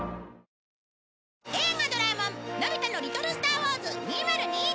『映画ドラえもんのび太の宇宙小戦争２０２１』